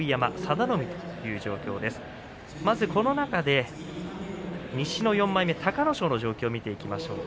この中で西の４枚目隆の勝の状況を見ていきましょう。